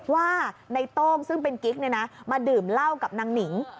ว่าในโต้งซึ่งเป็นกิ๊กมาดื่มเหล้ากับนางหนิง